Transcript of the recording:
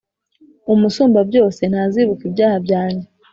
Umusumbabyose ntazibuka ibyaha byanjye.»